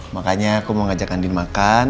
makanya aku mau ngajak andin makan